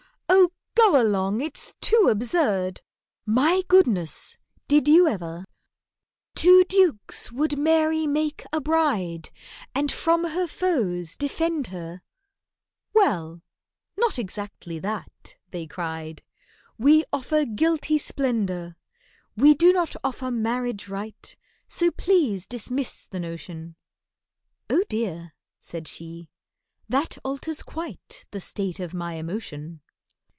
Oh, go along, it's too absurd! My goodness! Did you ever? "Two Dukes would Mary make a bride, And from her foes defend her"— "Well, not exactly that," they cried, "We offer guilty splendour. "We do not offer marriage rite, So please dismiss the notion!" "Oh dear," said she, "that alters quite The state of my emotion."